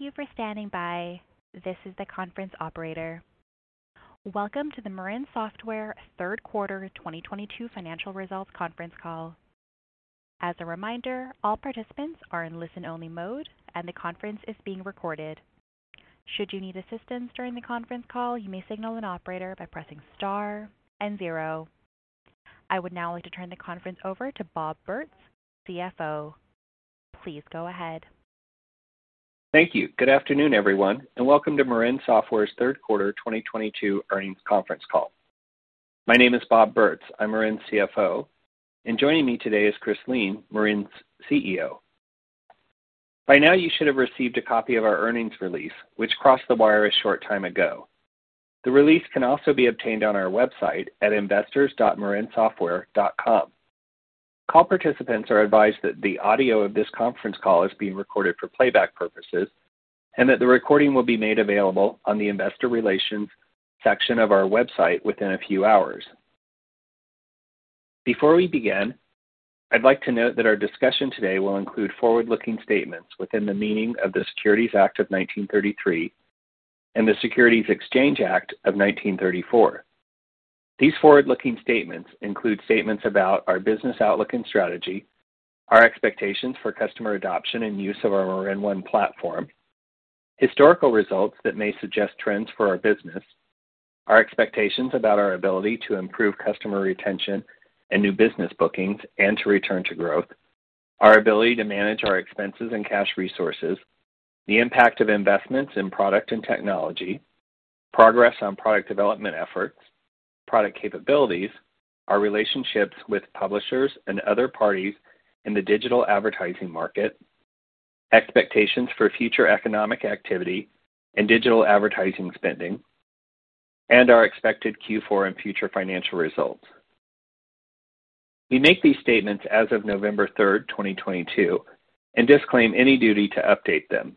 Thank you for standing by. This is the conference operator. Welcome to the Marin Software Third Quarter 2022 Financial Results Conference Call. As a reminder, all participants are in listen-only mode, and the conference is being recorded. Should you need assistance during the conference call, you may signal an operator by pressing star and zero. I would now like to turn the conference over to Bob Bertz, CFO. Please go ahead. Thank you. Good afternoon, everyone, and welcome to Marin Software's third quarter 2022 earnings conference call. My name is Bob Bertz. I'm Marin's CFO, and joining me today is Christopher Lien, Marin's CEO. By now, you should have received a copy of our earnings release, which crossed the wire a short time ago. The release can also be obtained on our website at investors.marinsoftware.com. Call participants are advised that the audio of this conference call is being recorded for playback purposes and that the recording will be made available on the investor relations section of our website within a few hours. Before we begin, I'd like to note that our discussion today will include forward-looking statements within the meaning of the Securities Act of 1933 and the Securities Exchange Act of 1934. These forward-looking statements include statements about our business outlook and strategy, our expectations for customer adoption and use of our MarinOne platform, historical results that may suggest trends for our business, our expectations about our ability to improve customer retention and new business bookings and to return to growth, our ability to manage our expenses and cash resources, the impact of investments in product and technology, progress on product development efforts, product capabilities, our relationships with publishers and other parties in the digital advertising market, expectations for future economic activity and digital advertising spending, and our expected Q4 and future financial results. We make these statements as of November third, 2022, and disclaim any duty to update them.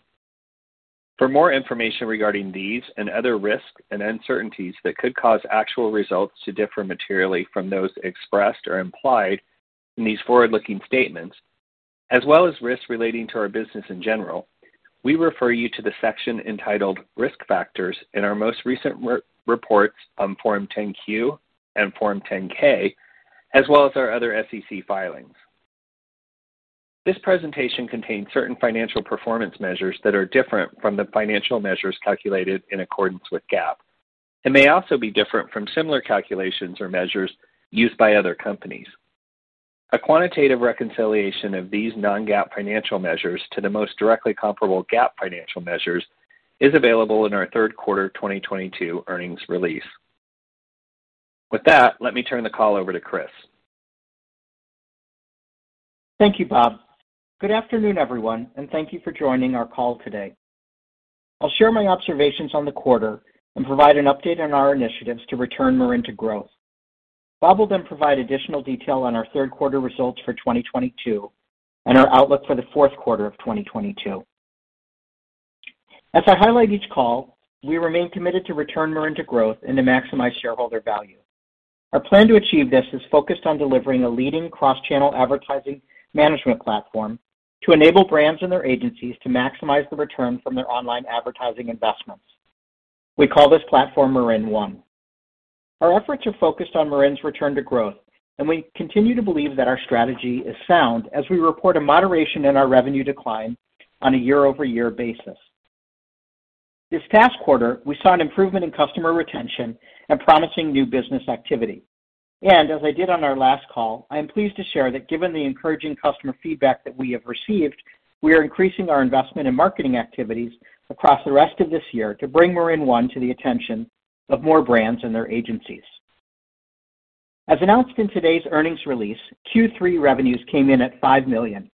For more information regarding these and other risks and uncertainties that could cause actual results to differ materially from those expressed or implied in these forward-looking statements, as well as risks relating to our business in general, we refer you to the section entitled Risk Factors in our most recent reports on Form 10-Q and Form 10-K, as well as our other SEC filings. This presentation contains certain financial performance measures that are different from the financial measures calculated in accordance with GAAP and may also be different from similar calculations or measures used by other companies. A quantitative reconciliation of these non-GAAP financial measures to the most directly comparable GAAP financial measures is available in our third quarter 2022 earnings release. With that, let me turn the call over to Chris. Thank you, Bob. Good afternoon, everyone, and thank you for joining our call today. I'll share my observations on the quarter and provide an update on our initiatives to return Marin to growth. Bob will then provide additional detail on our third quarter results for 2022 and our outlook for the fourth quarter of 2022. As I highlight each call, we remain committed to return Marin to growth and to maximize shareholder value. Our plan to achieve this is focused on delivering a leading cross-channel advertising management platform to enable brands and their agencies to maximize the return from their online advertising investments. We call this platform MarinOne. Our efforts are focused on Marin's return to growth, and we continue to believe that our strategy is sound as we report a moderation in our revenue decline on a year-over-year basis. This past quarter, we saw an improvement in customer retention and promising new business activity. As I did on our last call, I am pleased to share that given the encouraging customer feedback that we have received, we are increasing our investment in marketing activities across the rest of this year to bring MarinOne to the attention of more brands and their agencies. As announced in today's earnings release, Q3 revenues came in at $5 million,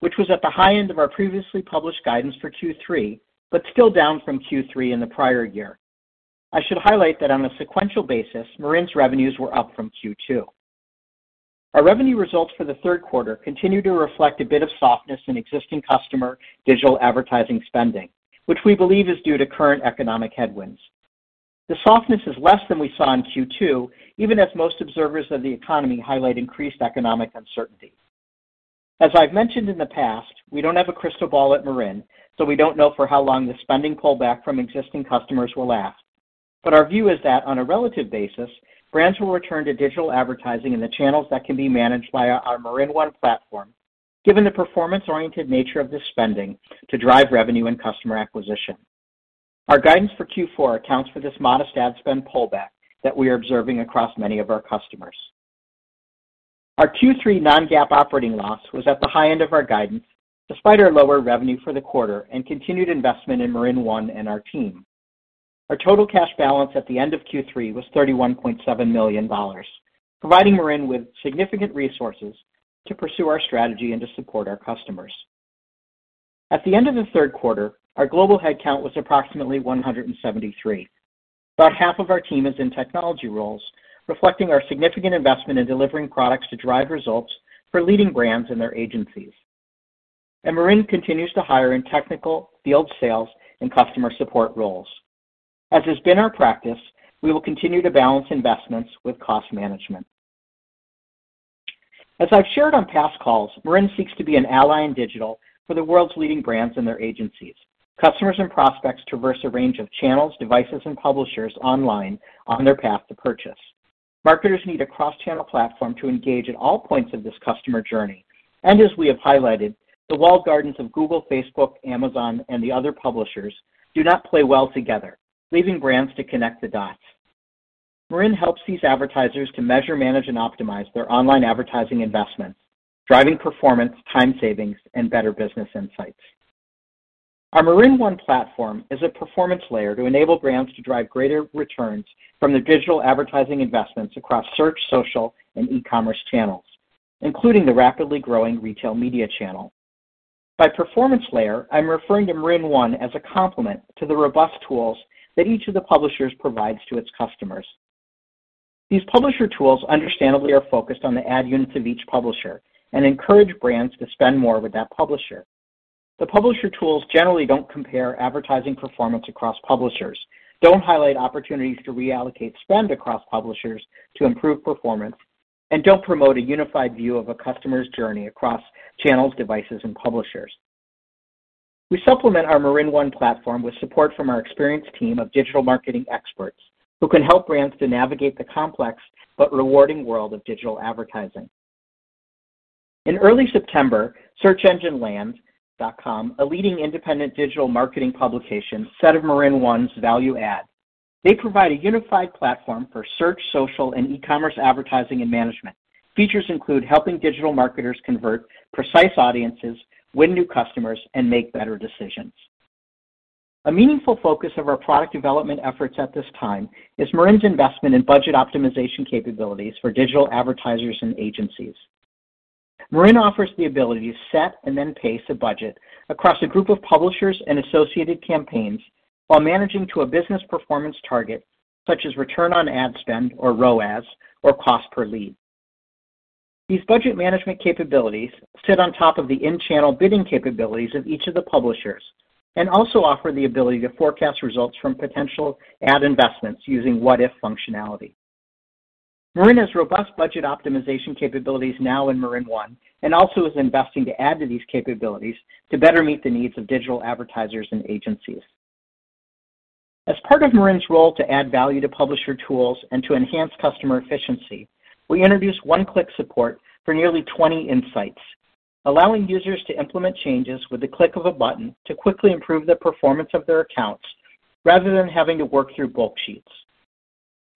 which was at the high end of our previously published guidance for Q3, but still down from Q3 in the prior year. I should highlight that on a sequential basis, Marin's revenues were up from Q2. Our revenue results for the third quarter continue to reflect a bit of softness in existing customer digital advertising spending, which we believe is due to current economic headwinds. The softness is less than we saw in Q2, even as most observers of the economy highlight increased economic uncertainty. As I've mentioned in the past, we don't have a crystal ball at Marin, so we don't know for how long the spending pullback from existing customers will last. Our view is that on a relative basis, brands will return to digital advertising in the channels that can be managed via our MarinOne platform, given the performance-oriented nature of this spending to drive revenue and customer acquisition. Our guidance for Q4 accounts for this modest ad spend pullback that we are observing across many of our customers. Our Q3 non-GAAP operating loss was at the high end of our guidance despite our lower revenue for the quarter and continued investment in MarinOne and our team. Our total cash balance at the end of Q3 was $31.7 million, providing Marin with significant resources to pursue our strategy and to support our customers. At the end of the third quarter, our global headcount was approximately 173. About half of our team is in technology roles, reflecting our significant investment in delivering products to drive results for leading brands and their agencies. Marin continues to hire in technical, field sales, and customer support roles. As has been our practice, we will continue to balance investments with cost management. As I've shared on past calls, Marin seeks to be an ally in digital for the world's leading brands and their agencies. Customers and prospects traverse a range of channels, devices, and publishers online on their path to purchase. Marketers need a cross-channel platform to engage at all points of this customer journey. As we have highlighted, the walled gardens of Google, Facebook, Amazon, and the other publishers do not play well together, leaving brands to connect the dots. Marin helps these advertisers to measure, manage, and optimize their online advertising investments, driving performance, time savings, and better business insights. Our MarinOne platform is a performance layer to enable brands to drive greater returns from their digital advertising investments across search, social, and e-commerce channels, including the rapidly growing retail media channel. By performance layer, I'm referring to MarinOne as a complement to the robust tools that each of the publishers provides to its customers. These publisher tools understandably are focused on the ad units of each publisher and encourage brands to spend more with that publisher. The publisher tools generally don't compare advertising performance across publishers, don't highlight opportunities to reallocate spend across publishers to improve performance, and don't promote a unified view of a customer's journey across channels, devices, and publishers. We supplement our MarinOne platform with support from our experienced team of digital marketing experts who can help brands to navigate the complex but rewarding world of digital advertising. In early September, Search Engine Land.com, a leading independent digital marketing publication, said of MarinOne's value add, "They provide a unified platform for search, social, and e-commerce advertising and management. Features include helping digital marketers convert precise audiences, win new customers, and make better decisions." A meaningful focus of our product development efforts at this time is Marin's investment in budget optimization capabilities for digital advertisers and agencies. Marin offers the ability to set and then pace a budget across a group of publishers and associated campaigns while managing to a business performance target, such as return on ad spend, or ROAS, or cost per lead. These budget management capabilities sit on top of the in-channel bidding capabilities of each of the publishers and also offer the ability to forecast results from potential ad investments using what-if functionality. Marin has robust budget optimization capabilities now in MarinOne and also is investing to add to these capabilities to better meet the needs of digital advertisers and agencies. As part of Marin's role to add value to publisher tools and to enhance customer efficiency, we introduced one-click support for nearly 20 insights, allowing users to implement changes with the click of a button to quickly improve the performance of their accounts rather than having to work through bulksheets.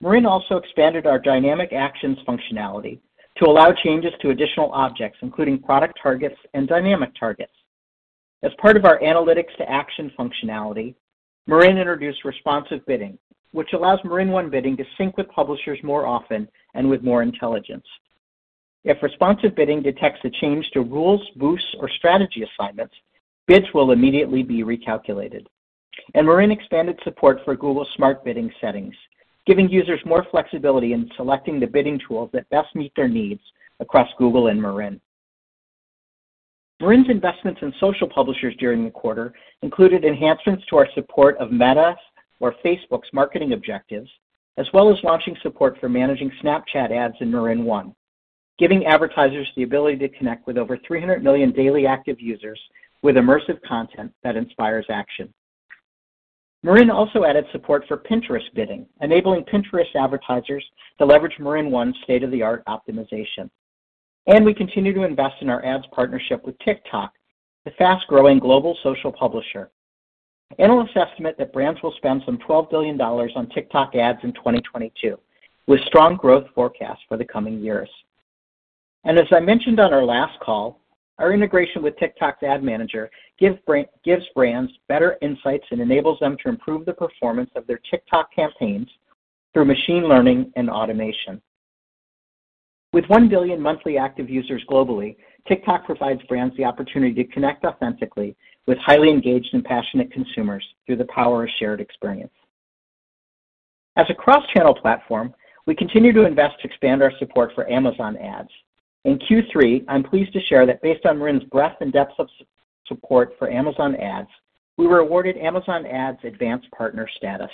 Marin also expanded our dynamic actions functionality to allow changes to additional objects, including product targets and dynamic targets. As part of our analytics to action functionality, Marin introduced responsive bidding, which allows Marin One bidding to sync with publishers more often and with more intelligence. If responsive bidding detects a change to rules, boosts, or strategy assignments, bids will immediately be recalculated. Marin expanded support for Google Smart Bidding settings, giving users more flexibility in selecting the bidding tools that best meet their needs across Google and Marin. Marin's investments in social publishers during the quarter included enhancements to our support of Meta or Facebook's marketing objectives, as well as launching support for managing Snapchat ads in Marin One, giving advertisers the ability to connect with over 300 million daily active users with immersive content that inspires action. Marin also added support for Pinterest bidding, enabling Pinterest advertisers to leverage Marin One's state-of-the-art optimization. We continue to invest in our ads partnership with TikTok, the fast-growing global social publisher. Analysts estimate that brands will spend some $12 billion on TikTok ads in 2022, with strong growth forecasts for the coming years. As I mentioned on our last call, our integration with TikTok's Ad Manager gives brands better insights and enables them to improve the performance of their TikTok campaigns through machine learning and automation. With 1 billion monthly active users globally, TikTok provides brands the opportunity to connect authentically with highly engaged and passionate consumers through the power of shared experience. As a cross-channel platform, we continue to invest to expand our support for Amazon Ads. In Q3, I'm pleased to share that based on Marin's breadth and depth of support for Amazon Ads, we were awarded Amazon Ads Advanced Partner status.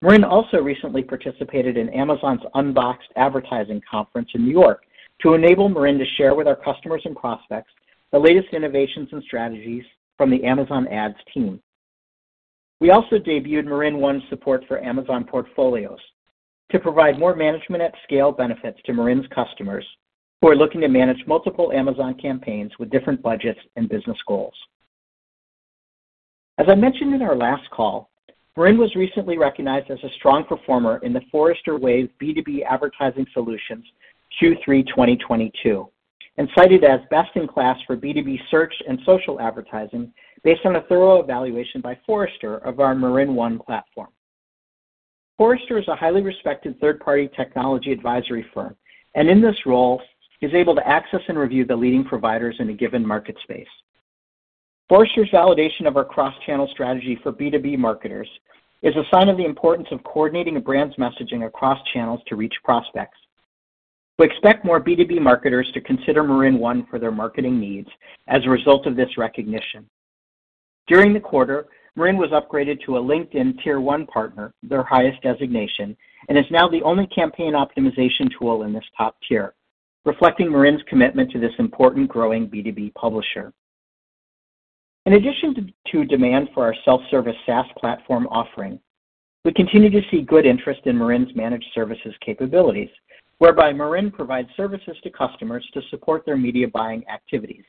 Marin also recently participated in Amazon Ads unBoxed in New York to enable Marin to share with our customers and prospects the latest innovations and strategies from the Amazon Ads team. We also debuted MarinOne's support for Amazon Portfolios to provide more management at scale benefits to Marin's customers who are looking to manage multiple Amazon campaigns with different budgets and business goals. As I mentioned in our last call, Marin was recently recognized as a strong performer in the Forrester Wave B2B Advertising Solutions Q3 2022 and cited as best in class for B2B search and social advertising based on a thorough evaluation by Forrester of our MarinOne platform. Forrester is a highly respected third-party technology advisory firm and in this role is able to access and review the leading providers in a given market space. Forrester's validation of our cross-channel strategy for B2B marketers is a sign of the importance of coordinating a brand's messaging across channels to reach prospects. We expect more B2B marketers to consider MarinOne for their marketing needs as a result of this recognition. During the quarter, Marin was upgraded to a LinkedIn tier one partner, their highest designation, and is now the only campaign optimization tool in this top tier, reflecting Marin's commitment to this important growing B2B publisher. In addition to demand for our self-service SaaS platform offering, we continue to see good interest in Marin's managed services capabilities, whereby Marin provides services to customers to support their media buying activities.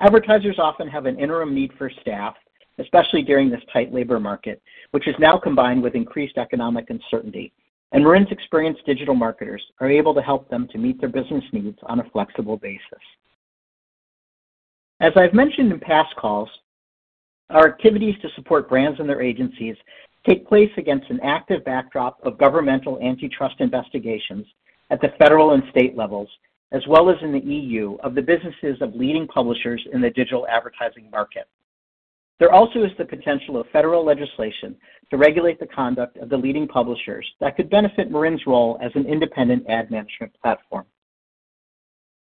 Advertisers often have an interim need for staff, especially during this tight labor market, which is now combined with increased economic uncertainty, and Marin's experienced digital marketers are able to help them to meet their business needs on a flexible basis. As I've mentioned in past calls, our activities to support brands and their agencies take place against an active backdrop of governmental antitrust investigations at the federal and state levels, as well as in the EU, of the businesses of leading publishers in the digital advertising market. There also is the potential of federal legislation to regulate the conduct of the leading publishers that could benefit Marin's role as an independent ad management platform.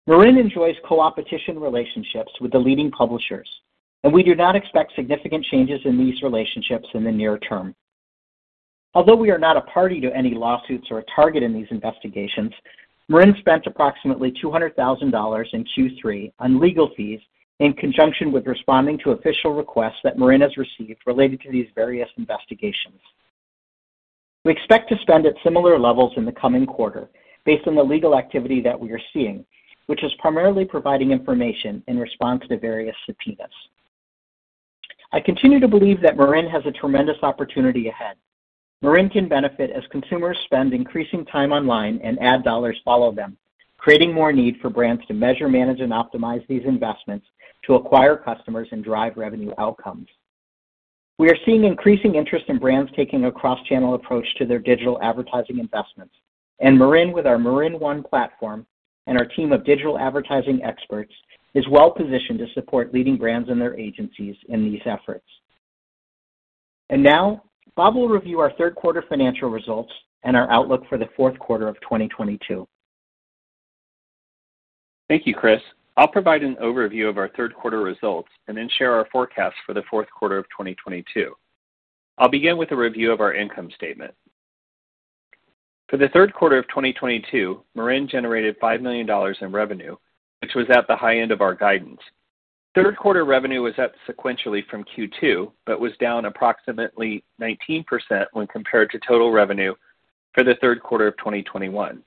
Marin enjoys coopetition relationships with the leading publishers, and we do not expect significant changes in these relationships in the near term. Although we are not a party to any lawsuits or a target in these investigations, Marin spent approximately $200,000 in Q3 on legal fees in conjunction with responding to official requests that Marin has received related to these various investigations. We expect to spend at similar levels in the coming quarter based on the legal activity that we are seeing, which is primarily providing information in response to various subpoenas. I continue to believe that Marin has a tremendous opportunity ahead. Marin can benefit as consumers spend increasing time online and ad dollars follow them, creating more need for brands to measure, manage, and optimize these investments to acquire customers and drive revenue outcomes. We are seeing increasing interest in brands taking a cross-channel approach to their digital advertising investments, and Marin, with our MarinOne platform and our team of digital advertising experts, is well-positioned to support leading brands and their agencies in these efforts. Now Bob will review our third quarter financial results and our outlook for the fourth quarter of 2022. Thank you, Chris. I'll provide an overview of our third quarter results and then share our forecast for the fourth quarter of 2022. I'll begin with a review of our income statement. For the third quarter of 2022, Marin generated $5 million in revenue, which was at the high end of our guidance. Third quarter revenue was up sequentially from Q2, but was down approximately 19% when compared to total revenue for the third quarter of 2021.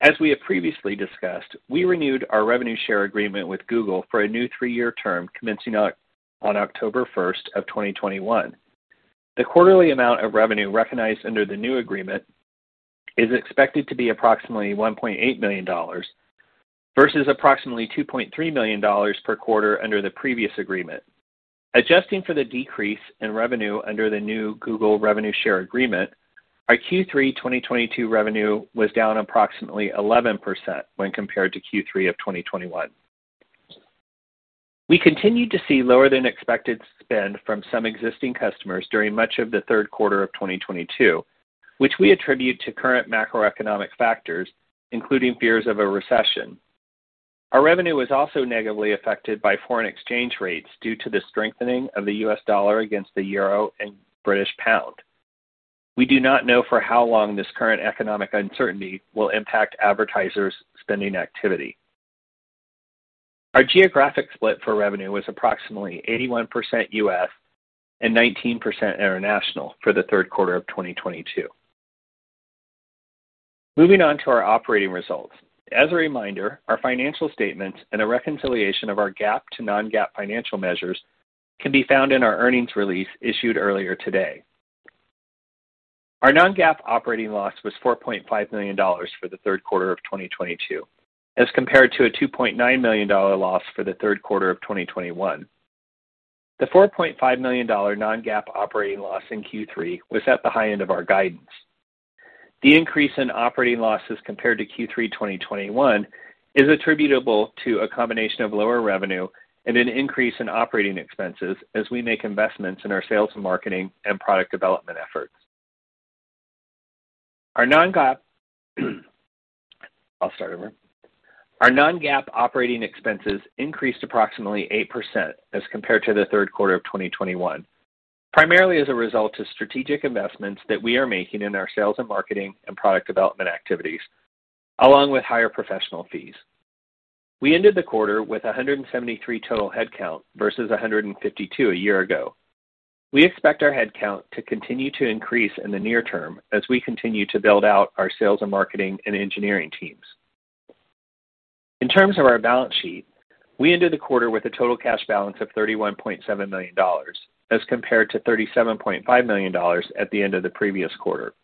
As we have previously discussed, we renewed our revenue share agreement with Google for a new three-year term commencing on October 1, 2021. The quarterly amount of revenue recognized under the new agreement is expected to be approximately $1.8 million, versus approximately $2.3 million per quarter under the previous agreement. Adjusting for the decrease in revenue under the new Google revenue share agreement, our Q3 2022 revenue was down approximately 11% when compared to Q3 of 2021. We continued to see lower than expected spend from some existing customers during much of the third quarter of 2022, which we attribute to current macroeconomic factors, including fears of a recession. Our revenue was also negatively affected by foreign exchange rates due to the strengthening of the US dollar against the euro and British pound. We do not know for how long this current economic uncertainty will impact advertisers' spending activity. Our geographic split for revenue was approximately 81% U.S. and 19% international for the third quarter of 2022. Moving on to our operating results. As a reminder, our financial statements and a reconciliation of our GAAP to non-GAAP financial measures can be found in our earnings release issued earlier today. Our non-GAAP operating loss was $4.5 million for the third quarter of 2022, as compared to a $2.9 million loss for the third quarter of 2021. The $4.5 million non-GAAP operating loss in Q3 was at the high end of our guidance. The increase in operating losses compared to Q3 2021 is attributable to a combination of lower revenue and an increase in operating expenses as we make investments in our sales and marketing and product development efforts. Our non-GAAP operating expenses increased approximately 8% as compared to the third quarter of 2021, primarily as a result of strategic investments that we are making in our sales and marketing and product development activities, along with higher professional fees. We ended the quarter with 173 total headcount versus 152 a year ago. We expect our headcount to continue to increase in the near term as we continue to build out our sales and marketing and engineering teams. In terms of our balance sheet, we ended the quarter with a total cash balance of $31.7 million as compared to $37.5 million at the end of the previous quarter.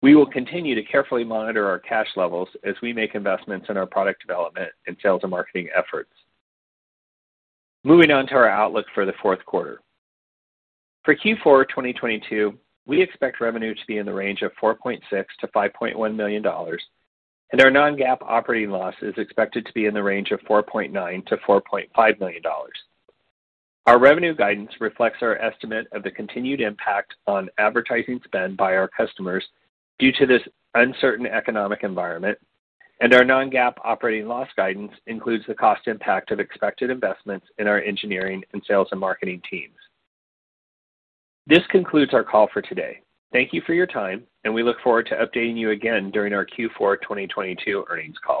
We will continue to carefully monitor our cash levels as we make investments in our product development and sales and marketing efforts. Moving on to our outlook for the fourth quarter. For Q4 2022, we expect revenue to be in the range of $4.6 million-$5.1 million, and our non-GAAP operating loss is expected to be in the range of $4.9 million-$4.5 million. Our revenue guidance reflects our estimate of the continued impact on advertising spend by our customers due to this uncertain economic environment, and our non-GAAP operating loss guidance includes the cost impact of expected investments in our engineering and sales and marketing teams. This concludes our call for today. Thank you for your time, and we look forward to updating you again during our Q4 2022 earnings call.